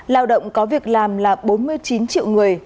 lao động có việc làm là bốn mươi chín triệu người